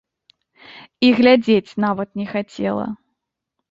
І глядзець нават не хацела.